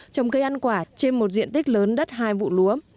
trồng cây ăn quả trên một diện tích lớn đất hai vụ lúa